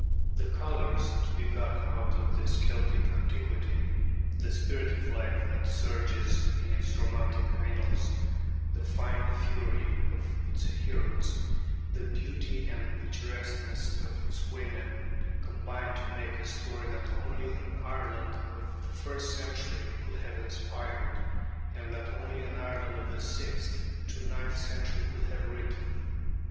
The colors to be got out of this Celtic antiquity, the spirit of life that surges in its romantic annals, the fine fury of its heroes, the beauty and picturesqueness of its women, combine to make a story that only an Ireland of the first century could have inspired, and that only an Ireland of the sixth to the ninth century could have written.